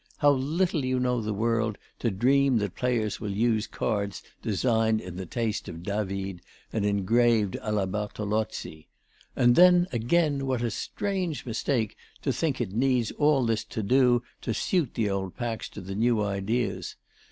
How little you know the world to dream that players will use cards designed in the taste of David and engraved à la Bartolozzi! And then again, what a strange mistake to think it needs all this to do to suit the old packs to the new ideas.